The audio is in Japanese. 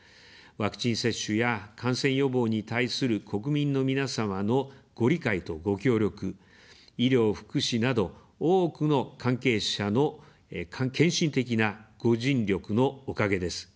ワクチン接種や感染予防に対する国民の皆様のご理解とご協力、医療・福祉など、多くの関係者の献身的なご尽力のおかげです。